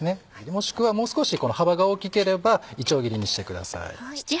もしくはもう少しこの幅が大きければいちょう切りにしてください。